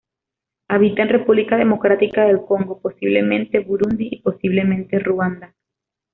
Habita en República Democrática del Congo, posiblemente Burundi y posiblemente Ruanda.